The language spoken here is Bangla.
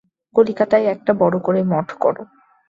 কলিকাতায় একটা বড় করে মঠ কর।